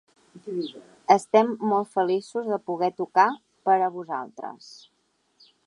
Estem molt feliços de poder tocar per a vosaltres.